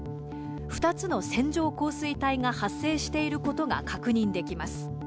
２つの線状降水帯が発生していることが確認できます。